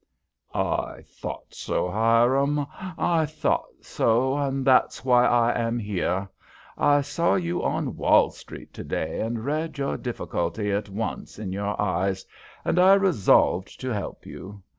"I thought so, Hiram. I thought so, and that's why I am here. I saw you on Wall Street to day, and read your difficulty at once in your eyes, and I resolved to help you.